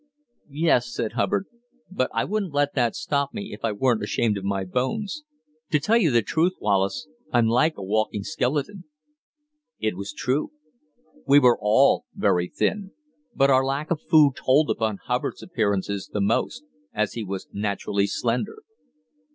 "Yes," said Hubbard; "but I wouldn't let that stop me if I weren't ashamed of my bones. To tell you the truth, Wallace, I'm like a walking skeleton." It was true. We were all very thin, but our lack of food told upon Hubbard's appearance the most, as he was naturally slender.